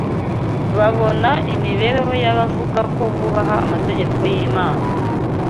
babona imibereho y’abavuga ko bubaha amategeko y’Imana